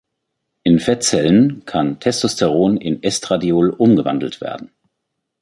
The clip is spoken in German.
In Fettzellen kann Testosteron in Estradiol umgewandelt werden.